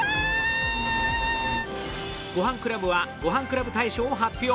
ごはんクラブはごはんクラブ大賞を発表！